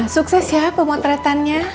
sukses ya pemotretannya